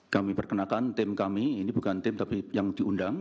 kami perkenakan tim kami ini bukan tim tapi yang diundang